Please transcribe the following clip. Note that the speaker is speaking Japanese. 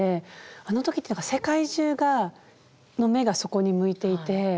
あの時って世界中の目がそこに向いていて。